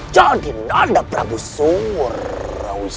jadi nada prabu surawis